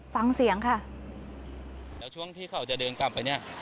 ฟังเสียงค่ะแล้วช่วงที่เขาจะเดินกลับไปเนี้ย